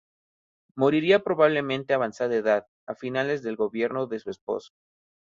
Moriría probablemente a avanzada edad, a finales del gobierno de su esposo.